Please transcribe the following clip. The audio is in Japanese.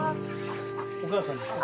お母さんですか？